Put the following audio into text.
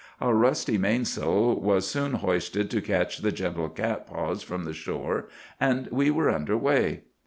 Our rusty mainsail was soon hoisted to catch the gentle catspaws from the shore, and we were underway.